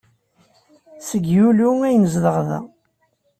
Seg Yulyu ay nezdeɣ da.